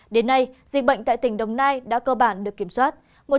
đến nay dịch bệnh tại tỉnh đồng nai đã cơ bản được kiểm soát